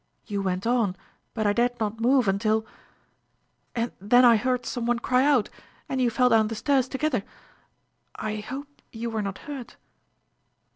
You went on, but I dared not move until ... And then I heard some one cry out, and you fell down the stairs together. I hope you were not hurt